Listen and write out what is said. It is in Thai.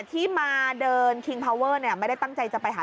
ที่มาเดินคิงพาวเวอร์เนี่ยไม่ได้ตั้งใจจะไปหา